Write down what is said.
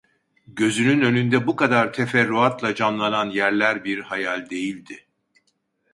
Gözünün önünde bu kadar teferruatla canlanan yerler bir hayal değildi.